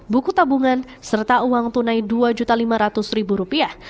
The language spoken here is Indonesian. buku tabungan serta uang tunai dua lima ratus rupiah